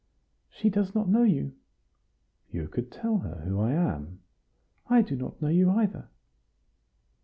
"She does not know you." "You could tell her who I am." "I do not know you either."